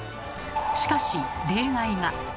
しかし例外が。